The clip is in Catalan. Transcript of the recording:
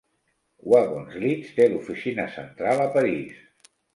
Wagons-Lits té l'oficina central a París.